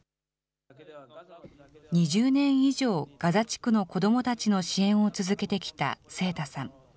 ２０年以上、ガザ地区の子どもたちの支援を続けてきた清田さん。